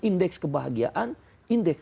indeks kebahagiaan indeks